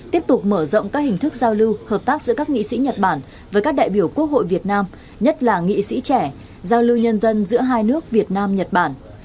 tiếp tục mở rộng các hình thức giao lưu hợp tác giữa các nghị sĩ nhật bản với các đại biểu quốc hội việt nam nhất là nghị sĩ trẻ giao lưu nhân dân giữa hai nước việt nam nhật bản